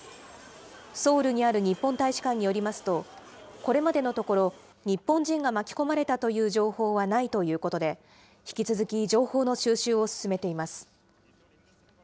ソウルにある日本大使館によりますと、これまでのところ、日本人が巻き込まれたという情報はないということで、引き続き情報の収集を進めています。